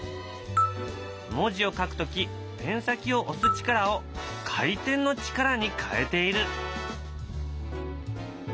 文字を書く時ペン先を押す力を回転の力に変えている。